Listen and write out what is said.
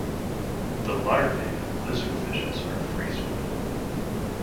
The larvae of lizardfishes are free-swimming.